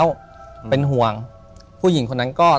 ถูกต้องไหมครับถูกต้องไหมครับ